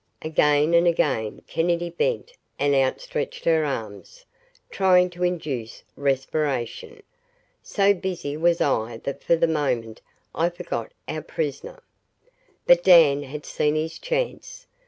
Again and again Kennedy bent and outstretched her arms, trying to induce respiration. So busy was I that for the moment I forgot our prisoner. But Dan had seen his chance.